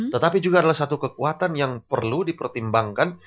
tetapi juga adalah satu kekuatan yang perlu dipertimbangkan